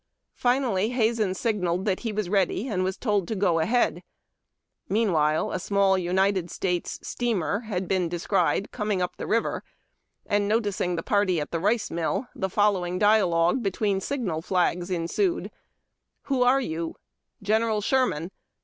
Finall}^ Hazen signalled that he was ready, and was told to go ahead. Meanwhile, a small LTnited States steamer had been descried coming up the river, and, noticing the party at the rice mill, the follow ing dialogue between signal flags ensued: —" Who are you ?"" General Sherman."